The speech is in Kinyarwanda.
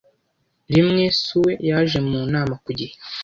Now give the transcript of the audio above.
Rimwe, Sue yaje mu nama ku gihe.